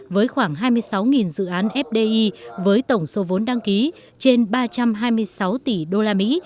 với khoảng hai mươi sáu dự án fdi với tổng số vốn đăng ký trên ba trăm hai mươi sáu tỷ usd